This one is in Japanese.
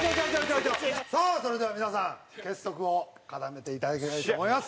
さあそれでは皆さん結束を固めて頂きたいと思います。